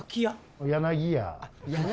柳家！